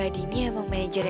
dia mulai bengkel banget